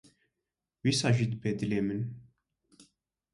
Wisa jî dibe dilê min.